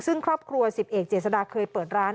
ซึ่งครอบครัว๑๐เอกเจษดาเคยเปิดร้าน